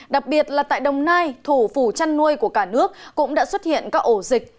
đặc biệt là tại đồng nai thủ phủ chăn nuôi của cả nước cũng đã xuất hiện các ổ dịch